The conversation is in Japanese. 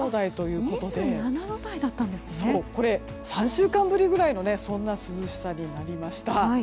３週間ぶりぐらいの涼しさになりました。